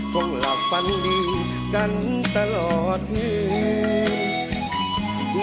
คงหลับฝันดีกันตลอดคืน